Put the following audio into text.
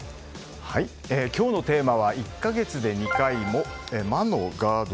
今日おテーマは１か月で２回も魔のガード